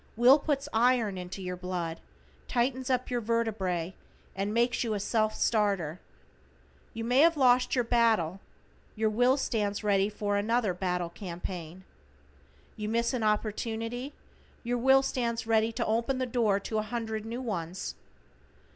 Will puts iron into your blood, tightens up your vertebrate and makes you "a self starter." You may have lost your battle, your Will stands ready for another better campaign. You miss an opportunity, your Will stands ready to open the door to a hundred new ones.